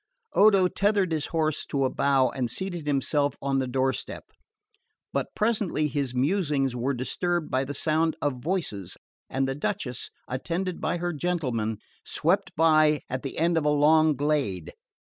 Odo tethered his horse to a bough and seated himself on the doorstep; but presently his musings were disturbed by the sound of voices, and the Duchess, attended by her gentlemen, swept by at the end of a long glade.